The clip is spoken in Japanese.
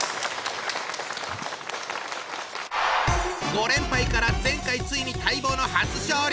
５連敗から前回ついに待望の初勝利！